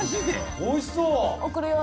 おいしそう！